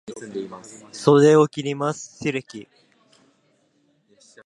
袖を切ります、レシキ。